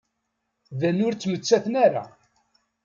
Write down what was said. Dan ur yettmettat ara.